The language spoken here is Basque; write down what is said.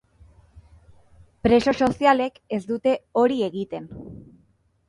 Preso sozialek ez dute hori egiten.